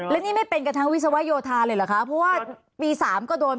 และนี่ไม่เป็นกันทั้งวิศวโยธาเลยเหรอคะเพราะว่าปี๓ก็โดน